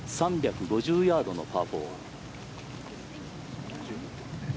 ３５０ヤードのパー４。